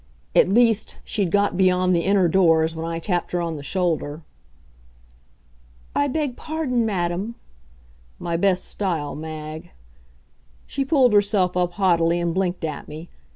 At least, she'd got beyond the inner doors when I tapped her on the shoulder. "I beg pardon, madam." My best style, Mag. She pulled herself up haughtily and blinked at me.